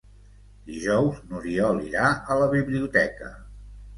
Dijous n'Oriol irà a la biblioteca.